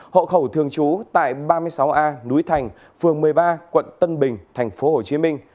hộ khẩu thường trú tại ba mươi sáu a núi thành phường một mươi ba quận tân bình tp hcm